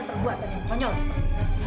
perbuatan yang konyol seperti itu